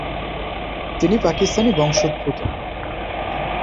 তিনি পাকিস্তানি বংশোদ্ভূত।